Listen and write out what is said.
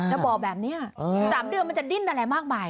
แล้วบอกแบบนี้๓เดือนมันจะดิ้นอะไรมากมาย